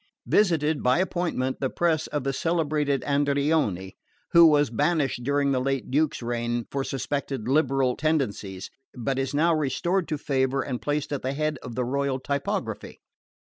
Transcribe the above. Visited, by appointment, the press of the celebrated Andreoni, who was banished during the late Duke's reign for suspected liberal tendencies, but is now restored to favour and placed at the head of the Royal Typography.